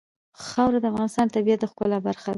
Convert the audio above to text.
خاوره د افغانستان د طبیعت د ښکلا برخه ده.